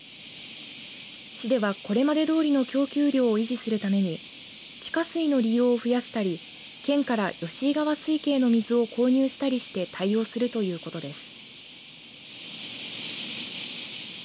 市では、これまでどおりの供給量を維持するために地下水の利用を増やしたり県から吉井川水系の水を購入したりして対応するということです。